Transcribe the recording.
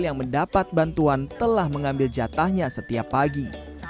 yang mendapat bantuan telah mengambil jatahnya setiap pagi